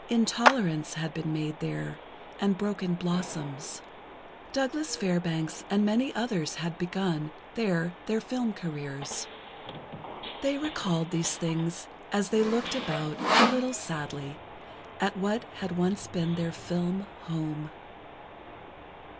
"Intolerance" had been made there, and "Broken Blossoms." Douglas Fairbanks and many others had begun, there, their film careers. They recalled these things as they looked about a little sadly, at what had once been their film home.